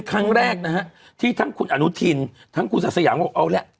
คือบางคนพูดถึงเท่านั้นว่า